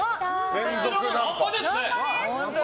こちらもナンパですね。